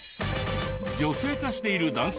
女性化している男性